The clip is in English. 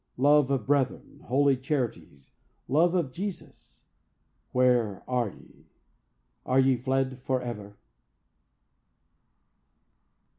Love of brethren, holy charities, love of Jesus,—where are ye?—Are ye fled forever?